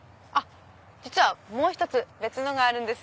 実はもう一つ別のがあるんです。